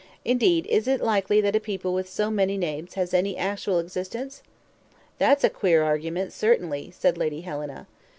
Indeed, is it likely that a people with so many names has any actual existence?" "That's a queer argument, certainly," said Lady Helena.